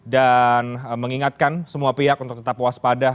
dan mengingatkan semua pihak untuk tetap waspada